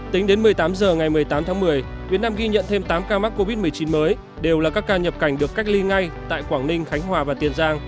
tính đến một mươi tám h ngày một mươi tám tháng một mươi việt nam ghi nhận thêm tám ca mắc covid một mươi chín mới đều là các ca nhập cảnh được cách ly ngay tại quảng ninh khánh hòa và tiền giang